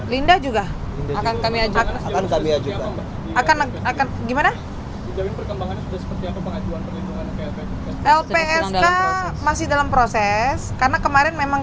linda juga akan kami ajak akan akan akan gimana lpsk masih dalam proses karena kemarin memang